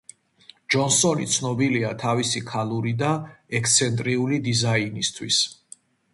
ჯონსონი ცნობილია თავისი ქალური და ექსცენტრიული დიზაინისთვის.